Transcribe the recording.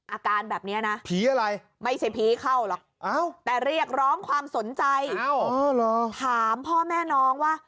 อาการแบบนี้นะผีอะไรไม่ใช่ผีเข้าหรอกแต่เรียกร้องความสนใจถามพ่อแม่น้องว่า